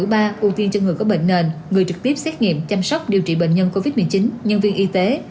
liều nhắc lại mũi ba ưu tiên cho người có bệnh nền người trực tiếp xét nghiệm chăm sóc điều trị bệnh nhân covid một mươi chín nhân viên y tế